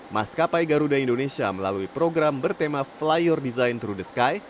maskapai garuda indonesia melalui program bertema fly your design through the sky